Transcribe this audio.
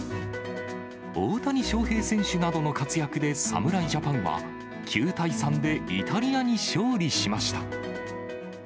大谷翔平選手などの活躍で、侍ジャパンは９対３でイタリアに勝利しました。